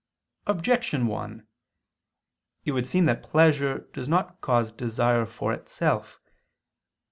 Objection 1: It would seem that pleasure does not cause desire for itself.